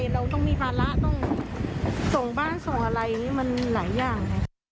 เราต้องมีภาระต้องส่งบ้านส่งอะไรมันหลายอย่าง